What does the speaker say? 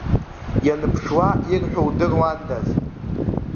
Инаԥшуа ирҳәо удыруандаз.